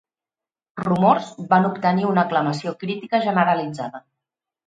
"Rumors" van obtenir una aclamació crítica generalitzada.